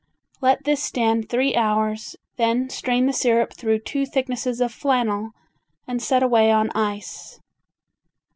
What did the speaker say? Let this stand three hours, then strain the syrup through two thicknesses of flannel and set away on ice.